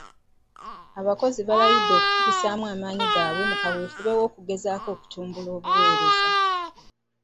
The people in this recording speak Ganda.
Abakozi baalayidde okukubisaamu amaanyi gaabwe mu kaweefube w'okugezaako okutumbula obuweereza.